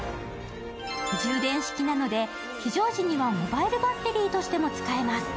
充電式なので、非常時にはモバイルバッテリーとしても使えます。